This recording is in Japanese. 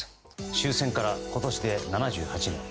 終戦から今年で７８年。